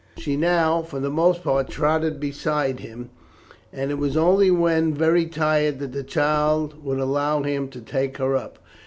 She now, for the most part, trotted beside him, and it was only when very tired that the child would allow him to take her up.